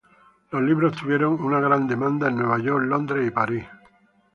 Los libros tuvieron una gran demanda en Nueva York, Londres y París.